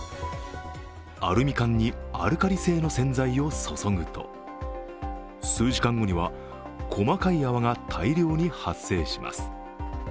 アルミ缶にアルカリ性の洗剤を注ぐと、数時間後には細かい泡が大量に発生します。